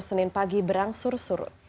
senin pagi berangsur surut